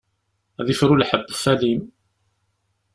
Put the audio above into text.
Ad ifru lḥebb ɣef alim.